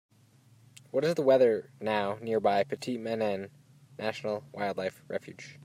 What is the weather now nearby Petit Manan National Wildlife Refuge?